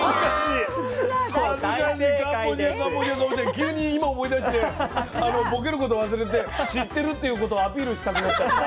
急に今思い出してボケること忘れて知ってるっていうことをアピールしたくなっちゃった。